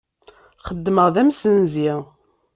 Xeddmeɣ d amsenzi.